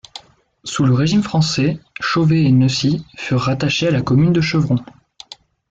Sous le Régime Français, Chauveheid et Neucy furent rattachés à la commune de Chevron.